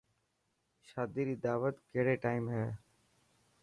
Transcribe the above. شادي ري داوتو ڪهڙي ٽائم هي.